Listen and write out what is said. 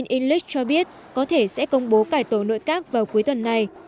ông inglis cho biết có thể sẽ công bố cải tổ nội các vào cuối tuần này